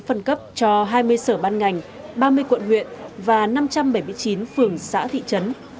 phân cấp cho hai mươi sở ban ngành ba mươi quận huyện và năm trăm bảy mươi chín phường xã thị trấn